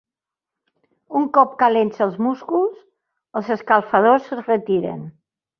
Un cop calents els músculs, els escalfadors es retiren.